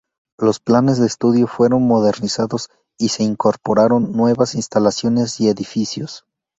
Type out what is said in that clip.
Los planes de estudio fueron modernizados y se incorporaron nuevas instalaciones y edificios.